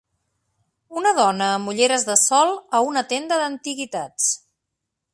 Una dona amb ulleres de sol a una tenda d'antiguitats.